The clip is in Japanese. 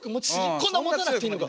こんな持たなくていいのか。